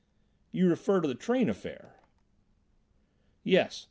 "You refer to the train affair?" "Yes.